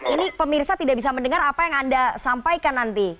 ini pemirsa tidak bisa mendengar apa yang anda sampaikan nanti